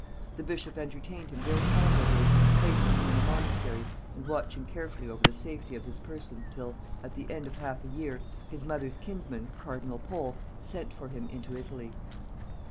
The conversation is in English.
The bishop entertained him very honorably, placing him in a monastery, and watching carefully over the safety of his person, till, at the end of half a year, his mother's kinsman, cardinal Pole, sent for him into Italy.